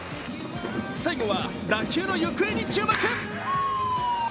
最後は打球の行方に注目。